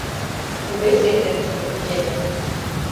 Туге секретыште кученыт.